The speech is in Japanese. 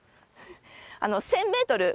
１０００メートル